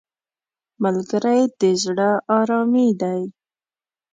ملګری د زړه آرامي دی